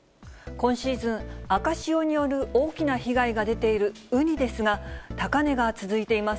今シーズン、赤潮による大きな被害が出ているウニですが、高値が続いています。